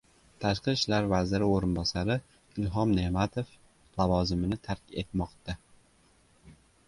Tashqi ishlar vaziri o‘rinbosari Ilhom Ne’matov lavozimini tark etmoqda